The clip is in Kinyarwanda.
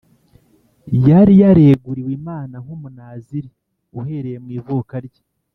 Yari yareguriwe Imana nk’umunaziri uhereye mw’ivuka rye